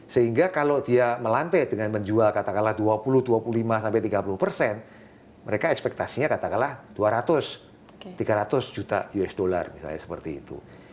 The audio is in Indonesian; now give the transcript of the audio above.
sehingga kalau dia melantai dengan menjual katakanlah dua puluh dua puluh lima sampai tiga puluh persen mereka ekspektasinya katakanlah dua ratus tiga ratus juta usd misalnya seperti itu